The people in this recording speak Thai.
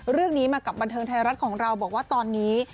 เรื่องนี้มากับบันเทิงไทยรัฐของเราบอกว่าตอนนี้